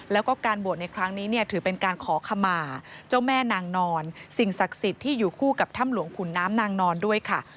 แล้วก็การบวชในครั้งนี้เนี่ยถือเป็นการขอขมาเจ้าแม่นางนอนสิ่งศักดิ์สิทธิ์ที่อยู่คู่กับถ้ำหลวงขุนน้ำนางนอนด้วยค่ะ